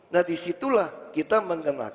nah disitulah kita mengenakan